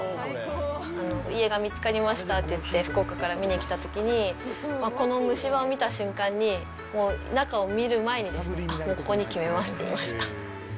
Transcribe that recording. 家が見つかりましたっていって、福岡から見に来たときに、この蒸し場を見た瞬間に、もう中を見る前に、あっ、もうここに決めますって言いました。